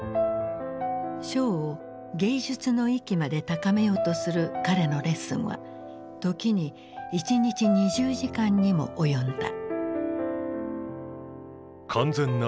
ショーを芸術の域まで高めようとする彼のレッスンは時に１日２０時間にも及んだ。